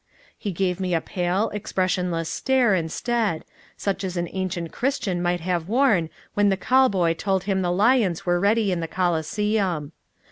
He gave me a pale, expressionless stare instead, such as an ancient Christian might have worn when the call boy told him the lions were ready in the Colosseum.